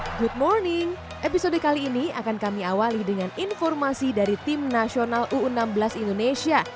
hai good morning episode kali ini akan kami awali dengan informasi dari tim nasional u enam belas indonesia